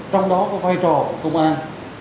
trong đó có vai trò của công an